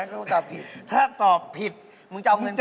หนูว่ามาถูกทางเขานะ